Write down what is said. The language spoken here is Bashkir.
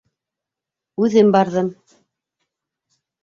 Үҙем барҙым.